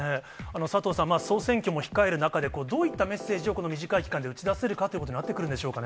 佐藤さん、総選挙も控える中でどういったメッセージをこの短い期間で打ち出せるかということになってくるんでしょうかね。